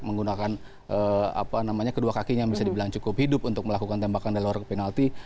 menggunakan kedua kakinya bisa dibilang cukup hidup untuk melakukan tembakan dari luar penalti